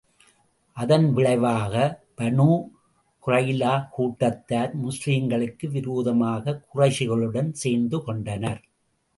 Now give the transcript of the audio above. அதன் விளைவாக, பனூ குறைலா கூட்டத்தார் முஸ்லிம்களுக்கு விரோதமாக குறைஷிகளுடன் சேர்ந்து கொண்டனர்.